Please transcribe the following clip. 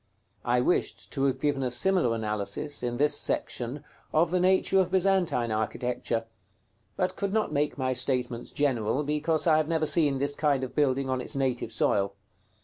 I wished to have given a similar analysis, in this section, of the nature of Byzantine architecture; but could not make my statements general, because I have never seen this kind of building on its native soil.